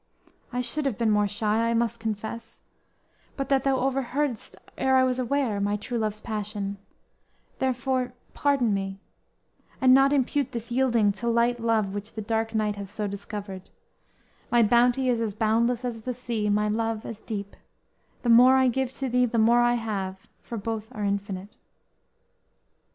I should have been more shy, I must confess, But that thou overheard'st, ere I was aware, My true love's passion; therefore, pardon me; And not impute this yielding to light love, Which the dark night hath so discovered, My bounty is as boundless as the sea, My love as deep; the more I give to thee, The more I have, for both are infinite!"